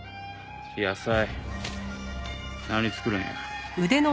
野菜何作るんや？